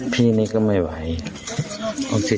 พี่นี่ก็ไม่ไหว